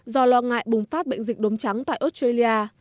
do lo ngại bùng phát bệnh dịch đốm trắng tại australia